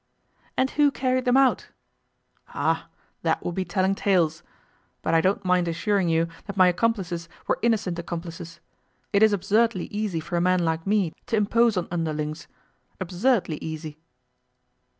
'And who carried them out?' 'Ah! that would be telling tales. But I don't mind assuring you that my accomplices were innocent accomplices. It is absurdly easy for a man like me to impose on underlings absurdly easy.